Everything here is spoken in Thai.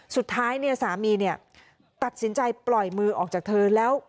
สุดท้ายเนี่ยสามีเนี่ยตัดสินใจปล่อยมือออกจากเธอแล้ว